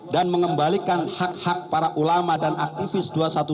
dan mengembalikan hak hak para ulama dan aktivis dua ratus dua belas